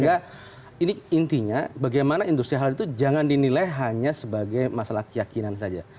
jadi ini intinya bagaimana industri halal itu jangan dinilai hanya sebagai masalah keyakinan saja